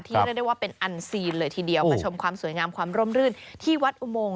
เรียกได้ว่าเป็นอันซีนเลยทีเดียวมาชมความสวยงามความร่มรื่นที่วัดอุโมง